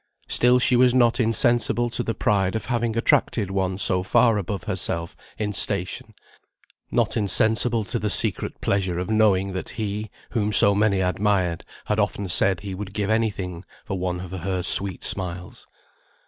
Still she was not insensible to the pride of having attracted one so far above herself in station; not insensible to the secret pleasure of knowing that he, whom so many admired, had often said he would give any thing for one of her sweet smiles.